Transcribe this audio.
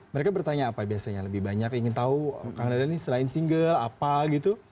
mereka bertanya apa biasanya lebih banyak ingin tahu kang dadan ini selain single apa gitu